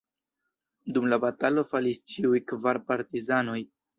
Dum la batalo falis ĉiuj kvar partizanoj.